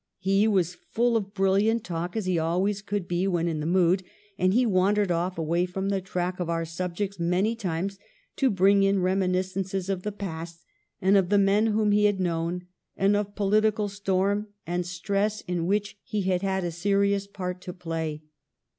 He was full of brilliant talk, as he always could be when in the mood, and he wandered off away from the track of our subjects many times to bring in reminiscences of the past and of men whom he had known and of political storm and stress in which he had had a serious part to play.